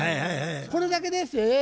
これだけでっせ。